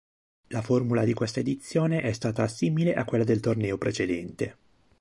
La formula di questa edizione è stata simile a quella del torneo precedente.